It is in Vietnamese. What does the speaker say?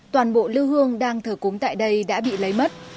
toàn bộ lưu hương đang thờ cúng tại đây đã bị lấy mất